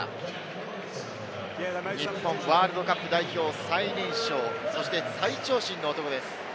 日本ワールドカップ代表、最年少、そして最長身の男です。